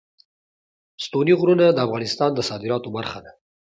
ستوني غرونه د افغانستان د صادراتو برخه ده.